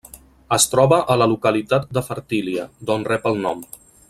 Es troba a la localitat de Fertília, d'on rep el nom.